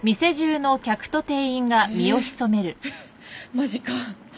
マジか。